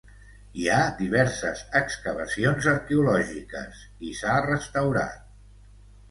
Hi ha diverses excavacions arqueològiques i s'ha restaurat.